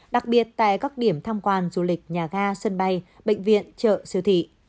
đặc biệt tại các điểm tham quan du lịch nhà ga sân bay bệnh viện chợ siêu thị